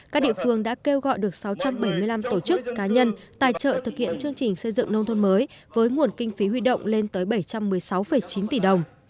các địa phương đã kêu gọi được sáu trăm bảy mươi năm tổ chức cá nhân tài trợ thực hiện chương trình xây dựng nông thôn mới với nguồn kinh phí huy động lên tới bảy trăm một mươi sáu chín tỷ đồng